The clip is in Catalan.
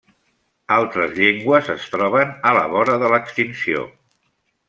Altres llengües es troben a la vora de l'extinció.